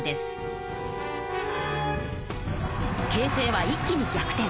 形勢は一気に逆転。